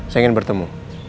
saya ingin bertemu